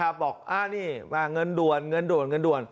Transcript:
บอกเงินด่วน